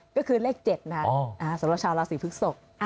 ก็คือเลข๗นะสำหรับชาวราศีพฤกษก